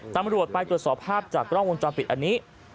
ตำรวจไปตรวจสอบภาพจากกล้องวงจรปิดอันนี้